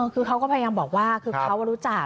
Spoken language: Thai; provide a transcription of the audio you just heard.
คือเขาก็พยายามบอกว่าคือเขารู้จัก